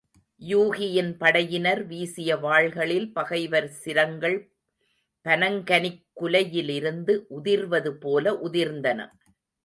யூகியின் படையினர் வீசிய வாள்களில் பகைவர் சிரங்கள் பனங்கனிக் குலையிலிருந்து உதிர்வதுபோல உதிர்ந்தன.